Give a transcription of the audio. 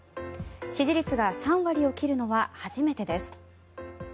支持率が３割を切るのは初めてです。